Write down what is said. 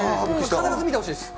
必ず見てほしいです。